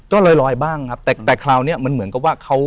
ก็ลอยบ้างครับแต่คราวนี้มันเหมือนกับว่าเขา